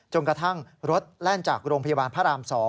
กระทั่งรถแล่นจากโรงพยาบาลพระราม๒